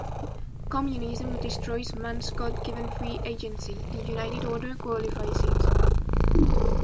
Communism destroys man's God-given free agency; the United Order glorifies it.